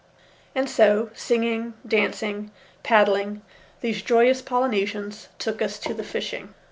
And so, singing, dancing, paddling, these joyous Polynesians took us to the fishing.